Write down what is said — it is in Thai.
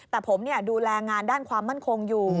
แต่ผมดูแลงานด้านความมั่นคงอยู่